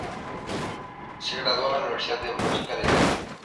Se graduó en la Universidad de Música de Tokio.